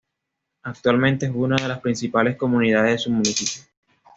Actualmente es una de las principales comunidades de su municipio.